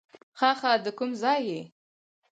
ښه ښه، د کوم ځای یې؟